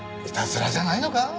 いたずらじゃないのか？